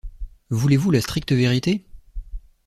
Voulez-vous la stricte vérité?